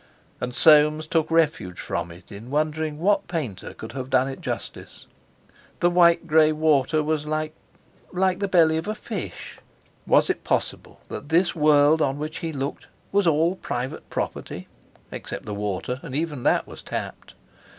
And Soames took refuge from it in wondering what painter could have done it justice. The white grey water was like—like the belly of a fish! Was it possible that this world on which he looked was all private property, except the water—and even that was tapped!